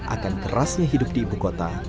akan kerasnya hidup di ibu kota